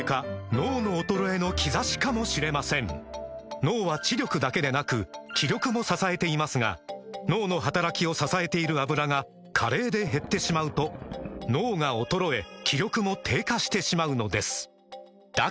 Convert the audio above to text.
脳の衰えの兆しかもしれません脳は知力だけでなく気力も支えていますが脳の働きを支えている「アブラ」が加齢で減ってしまうと脳が衰え気力も低下してしまうのですだから！